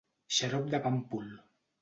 Xarop de pàmpol.